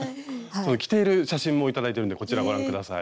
着ている写真も頂いてるんでこちらご覧下さい。